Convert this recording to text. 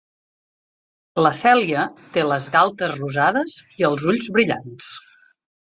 La Cèlia té les galtes rosades i els ulls brillants.